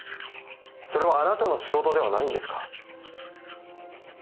それはあなたの仕事ではないんですか？